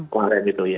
kemarin gitu ya